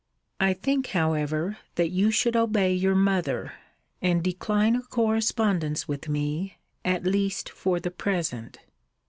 I think, however, that you should obey your mother, and decline a correspondence with me; at least for the present.